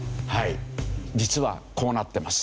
実はこうなってます。